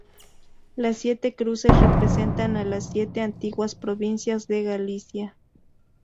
Las siete cruces representan a las siete antiguas provincias de Galicia.